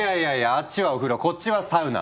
あっちはお風呂こっちはサウナ。